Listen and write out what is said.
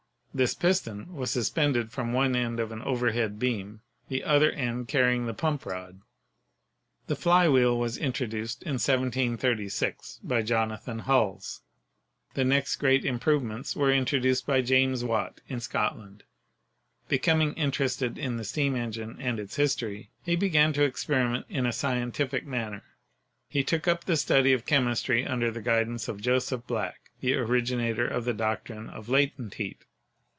This piston was suspended from one end of an overhead beam, the other end carrying the pump rod. The fly wheel was introduced in 1736 by Jonathan Hulls. The next great improvements were introduced by James Watt in Scotland. Becoming interested in the steam en gine and its history, he began to experiment in a scientific manner. He took up the study of chemistry under the guidance of Joseph Black, the originator of the doctrine of "latent heat."